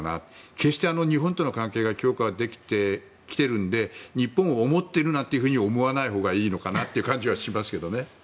決して、日本との関係が強化できているので日本を思っているなんて思わないほうがいいのかなという感じがしますけどね。